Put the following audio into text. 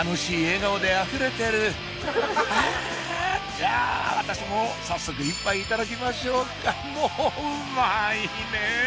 じゃあ私も早速一杯いただきましょうかうおっ！